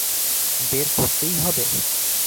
বের করতেই হবে?